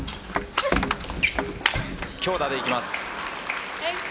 強打でいきます。